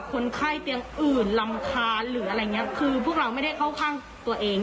คนไข้เตียงอื่นรำคาญหรืออะไรอย่างเงี้ยคือพวกเราไม่ได้เข้าข้างตัวเอง